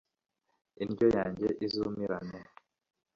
indyo yanjye izumirane